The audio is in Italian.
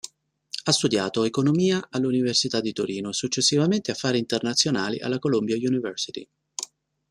Ha studiato Economia all'Università di Torino e successivamente Affari Internazionali alla Columbia University.